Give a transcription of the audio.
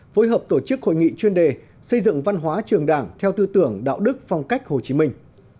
phối hợp tổ chức hội nghị chuyên đề xây dựng văn hóa trường đảng theo tư tưởng đạo đức phong cách hồ chí minh